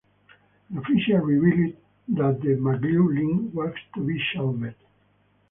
An official revealed that the Maglev link was to be shelved.